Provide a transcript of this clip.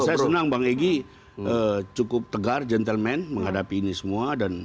saya senang bang egy cukup tegar gentleman menghadapi ini semua